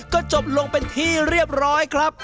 ก็จบลงเป็นที่เรียบร้อยครับ